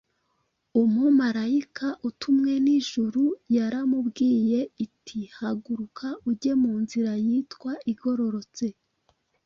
Umumarayika utumwe n’ijuru yaramubwiye iti, “Haguruka ujye mu nzira yitwa Igororotse,